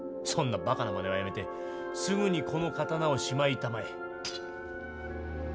そんなバカなまねはやめてすぐにこの刀をしまいたまえ。